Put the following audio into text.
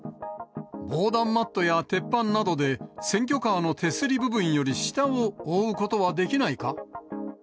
防弾マットや鉄板などで選挙カーの手すり部分より下を覆うことはできないか。